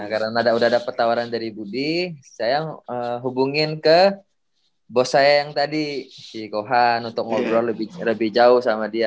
karena udah dapet tawaran dari budi saya hubungin ke bos saya yang tadi si kohan untuk ngobrol lebih jauh sama dia